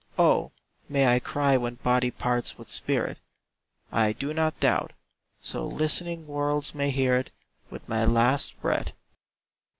Oh, may I cry when body parts with spirit, "I do not doubt," so listening worlds may hear it, With my last breath.